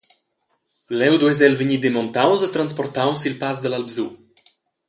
Leu duess el vegnir demontaus e transportaus sil Pass dall’Alpsu.